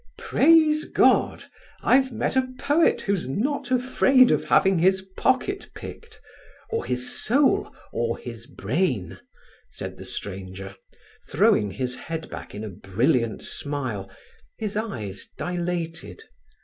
"Praise God! I've met a poet who's not afraid of having his pocket picked—or his soul, or his brain!" said the stranger, throwing his head back in a brilliant smile, his eyes dilated.